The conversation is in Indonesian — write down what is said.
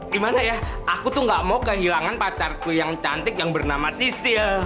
gimana ya aku tuh gak mau kehilangan pacarku yang cantik yang bernama sisil